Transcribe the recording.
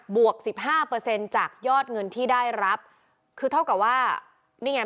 วกสิบห้าเปอร์เซ็นต์จากยอดเงินที่ได้รับคือเท่ากับว่านี่ไง